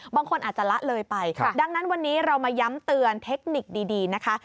บางคนอาจจะละเลยไปดังนั้นวันนี้เรามาย้ำเตือนเทคนิคดีนะคะ